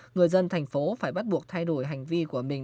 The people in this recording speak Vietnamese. người dân thành phố phải bắt buộc thay đổi hành vi của mình